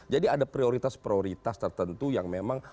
jadi ada prioritas prioritas tertentu yang memang